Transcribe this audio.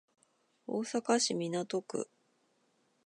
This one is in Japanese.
大阪市港区